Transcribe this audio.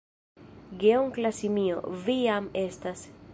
Geonkla simio: "Vi jam estas!"